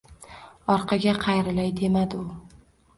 Orqaga qayrilay demadi u.